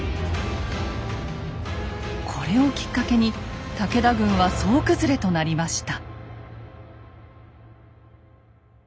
これをきっかけに武田軍は総崩れとなりました。